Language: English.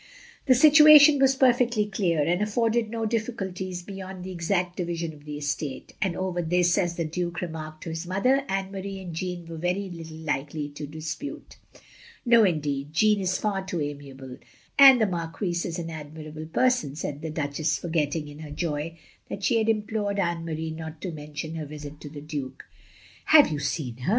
The situation was perfectly clear, and afforded no difficulties beyond the exact division of the estate; and over this, as the Duke remarked to his mother, Anne Marie and Jeanne were very little likely to dispute. " No, indeed, Jeanne is far too amiable; and the Marquise is an admirable person,' ' said the Duch ess ; forgetting, in her joy, that she had implored Anne Marie not to mention her visit to the Duke. " Have you seen her?